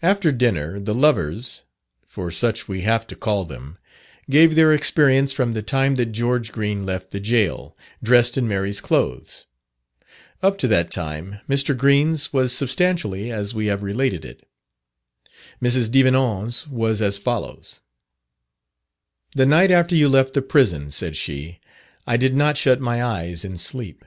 After dinner the lovers (for such we have to call them) gave their experience from the time that George Green left the gaol, dressed in Mary's clothes. Up to that time, Mr. Green's was substantially as we have related it. Mrs. Devenant's was as follows: "The night after you left the prison," said she, "I did not shut my eyes in sleep.